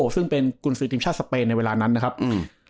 ซึ่งเป็นกุญสือทีมชาติสเปนในเวลานั้นนะครับอืม